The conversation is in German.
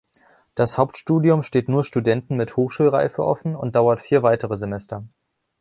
Das Hauptstudium steht nur Studenten mit Hochschulreife offen und dauert vier weitere Semester.